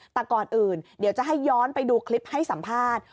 แต่ก่อนอื่นเดี๋ยวจะให้ย้อนไปดูคลิปให้สัมภาษณ์